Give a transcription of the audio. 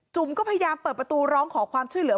ก็พยายามเปิดประตูร้องขอความช่วยเหลือ